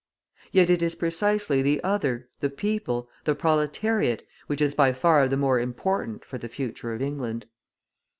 Yet it is precisely the other, the people, the proletariat, which is by far the more important for the future of England.